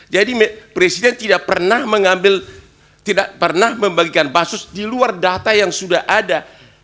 jadi presiden tidak pernah membagikan bansos di luar data yang sudah ada